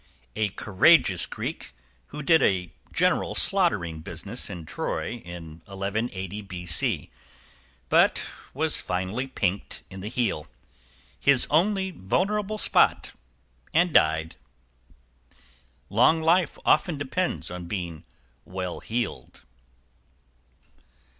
A courageous Greek, who did a general slaughtering business in Troy in 1180 B.C., but was finally pinked in the heel his only vulnerable spot and died. =Long life often depends on being well heeled.